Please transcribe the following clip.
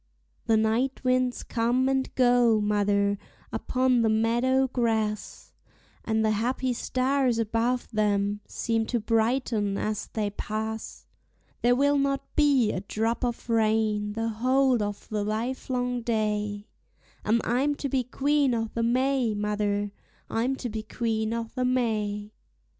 The night winds come and go, mother, upon the meadow grass, And the happy stars above them seem to brighten as they pass; There will not be a drop of rain the whole of the livelong day; And I'm to be Queen o'the May, mother, I'm to be Queen o'the May.